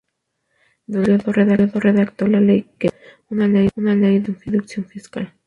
Durante este período redactó la ley Kemp-Roth, una ley de reducción fiscal.